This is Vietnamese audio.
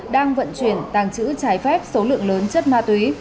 đang vận chuyển tàng trữ trái phép số lượng lớn chất ma túy